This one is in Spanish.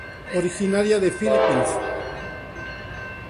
Originaria de Philippines.